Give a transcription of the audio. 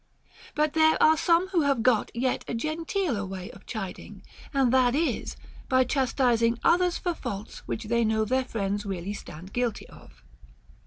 But there are some who have got yet a genteeler way of chiding, and that is, by chastising others for faults which they know their friends really stand guilty of.